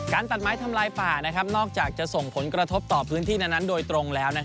ตัดไม้ทำลายป่านอกจากจะส่งผลกระทบต่อพื้นที่นั้นโดยตรงแล้ว